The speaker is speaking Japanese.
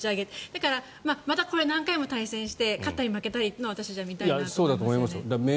だからこれ、何回も対戦して勝ったり負けたりを私は見たいなと思いましたよね。